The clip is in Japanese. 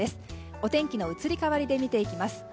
お天気の移り変わりで見ていきます。